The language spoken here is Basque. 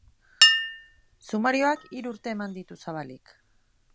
Sumarioak hiru urte eman ditu zabalik.